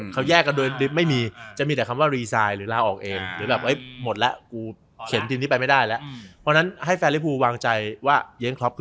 แค่แยกกับด้วยไม่มีจะมีใช้ว่ามีความว่าจานหรือจะออก